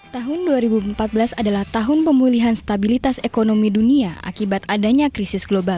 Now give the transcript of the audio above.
tahun dua ribu empat belas adalah tahun pemulihan stabilitas ekonomi dunia akibat adanya krisis global